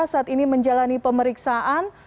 saat ini menjalani pemeriksaan